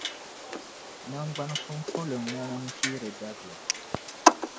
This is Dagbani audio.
Naŋgban’ fumfulumlana m-piiri dabili.